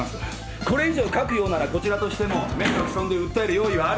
これ以上書くようならこちらとしても名誉棄損で訴える用意はあると。